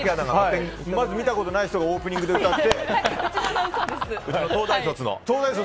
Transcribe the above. まず見たことがない人がオープニングで歌って。